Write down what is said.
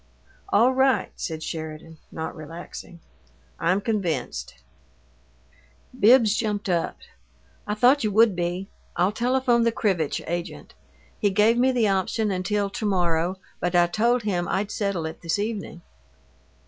"All right," said Sheridan, not relaxing. "I'm convinced." Bibbs jumped up. "I thought you would be. I'll telephone the Krivitch agent. He gave me the option until to morrow, but I told him I'd settle it this evening."